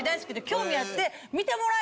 興味あって。